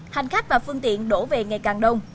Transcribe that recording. hành khách và phương tiện đổ về ngày càng đông